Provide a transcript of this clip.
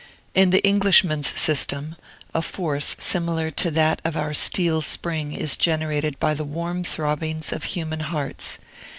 In the Englishman's system, a force similar to that of our steel spring is generated by the warm throbbings of human hearts.